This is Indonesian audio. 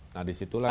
nah disitulah saya